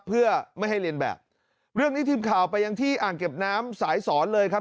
เพื่อไม่ให้เรียนแบบเรื่องนี้ทีมข่าวไปยังที่อ่างเก็บน้ำสายสอนเลยครับ